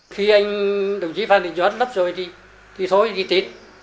khi anh đồng chí phan đình giót lấp rồi thì thôi đi tiến